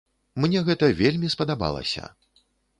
Мне гэта вельмі спадабалася.